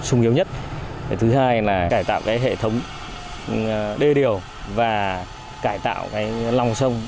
sung yếu nhất thứ hai là cải tạo cái hệ thống đê điều và cải tạo cái lòng sông